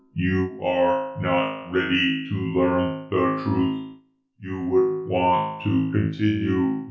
You are not ready to learn the truth. You would want to continue the war."